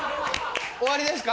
終わりですか？